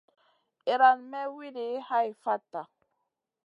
Iran may wuidi hai fatta.